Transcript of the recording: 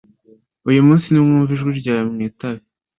uyu munsi nimwumva ijwi ryayo mwitabe